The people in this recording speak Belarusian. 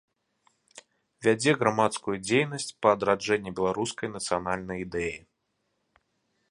Вядзе грамадскую дзейнасць па адраджэнні беларускай нацыянальнай ідэі.